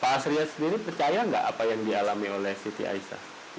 pak asriya sendiri percaya nggak apa yang dialami oleh siti aisyah